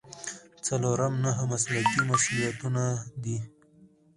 څلورم نهه مسلکي مسؤلیتونه دي.